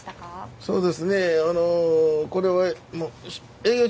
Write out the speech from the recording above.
そうです。